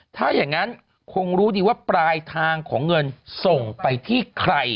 ถ้าอย่างนั้นคงรู้ดีว่าปลายทางของเงินส่งไปที่ใคร